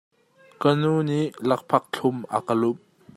Ka nu nih lakphak thlum a ka lumh.